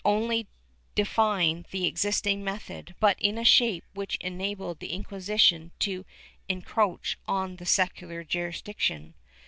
326 BIGAMY [Book: VIII only defined the existing method, but in a shape which enabled the Inquisition to encroach on the secular jurisdiction.